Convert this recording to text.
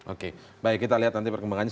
oke baik kita lihat nanti perkembangannya